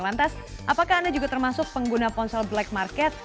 lantas apakah anda juga termasuk pengguna ponsel black market